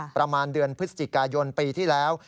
ประมาณเดือนพฤศจิกายนปีที่แล้ว